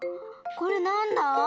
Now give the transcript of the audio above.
これなんだ？